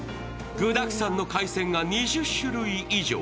具だくさんの海鮮が２０種類以上。